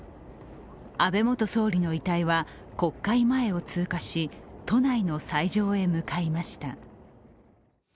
安倍元総理の遺体は国会前を通過し、都内の斎場へ向かいました。